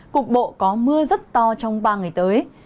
cục bộ có mưa rất to trong ba ngày tới